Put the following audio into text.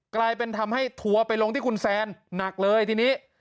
กลายเป็นทำให้ทัวร์ไปลงที่คุณแซนหนักเลยทีนี้